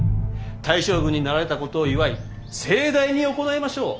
大将軍になられたことを祝い盛大に行いましょう。